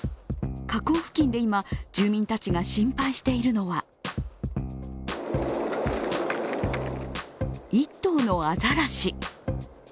河口付近で今、住民たちが心配しているのは１頭のアザラシ。